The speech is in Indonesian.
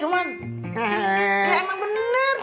ya emang bener sih